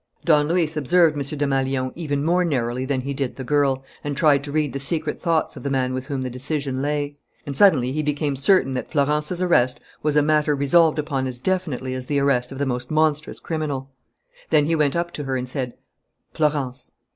Don Luis observed M. Desmalions even more narrowly than he did the girl, and tried to read the secret thoughts of the man with whom the decision lay. And suddenly he became certain that Florence's arrest was a matter resolved upon as definitely as the arrest of the most monstrous criminal. Then he went up to her and said: "Florence."